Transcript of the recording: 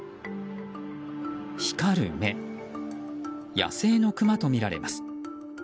光る目、野生のクマとみられます。